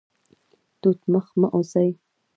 توت مخ مه اوسئ